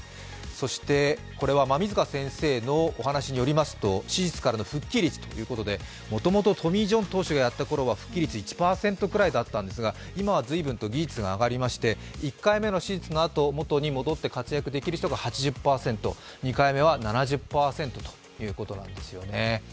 そして馬見塚先生のお話ですが手術からの復帰率ということでもともとトミー・ジョン選手がやった頃は復帰率１％ぐらいだったんですが、今は随分と技術が上がりまして１回目の手術のあと、元に戻って活躍できる人が８０％、２回目は７０％ということなんですよね。